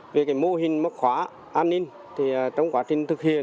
về mô hình móc khóa an ninh trong quá trình thực hiện